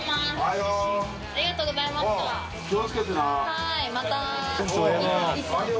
はい。